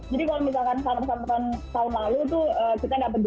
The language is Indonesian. jadi kalau misalkan tahun tahun lalu itu kita dapat dua puluh tujuh dua puluh delapan